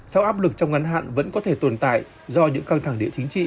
sau áp lực trong ngắn hạn vẫn có thể tồn tại do những căng thẳng địa chính trị